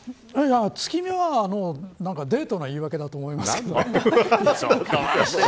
月見はデイトな言い訳だと思いますけど。